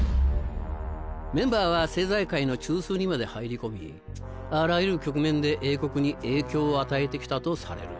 メンバーは政財界の中枢にまで入り込みあらゆる局面で英国に影響を与えて来たとされる。